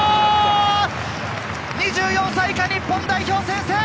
２４歳以下日本代表先制。